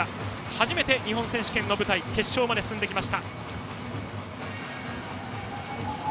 初めての日本選手権の舞台で決勝まで進んできました。